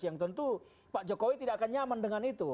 yang tentu pak jokowi tidak akan nyaman dengan itu